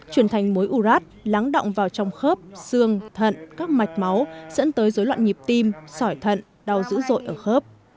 chuyển thành mối urat lắng động vào trong khớp xương thận các mạch máu dẫn tới dối loạn nhịp tim sỏi thận đau dữ dội ở khớp